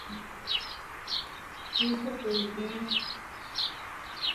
aliagizwa kusitishwa kwa huduma hizo katika matawi